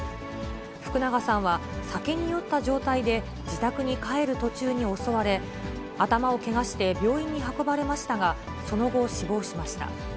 福永さんは酒に酔った状態で自宅に帰る途中に襲われ、頭をけがして病院に運ばれましたが、その後、死亡しました。